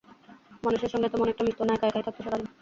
মানুষের সঙ্গে তেমন একটা মিশত না, একা একাই থাকত সারা দিন।